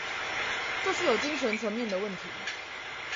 就是有精神層面的問題